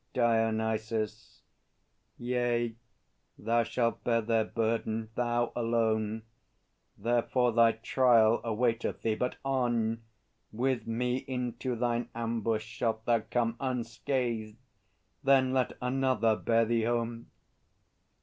DIONYSUS. Yea, thou shalt bear their burden, thou alone; Therefore thy trial awaiteth thee! But on; With me into thine ambush shalt thou come Unscathed; then let another bear thee home!